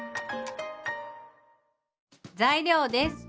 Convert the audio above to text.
材料です。